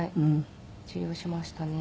治療しましたね。